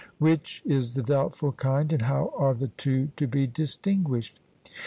Which is the doubtful kind, and how are the two to be distinguished?